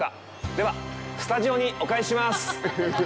では、スタジオにお返しします！